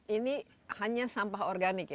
ini hanya sampah organik ya